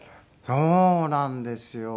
そうなんですよ。